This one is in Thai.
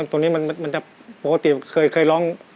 ส่วนครึ่ง